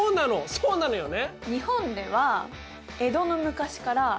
そうなのよね！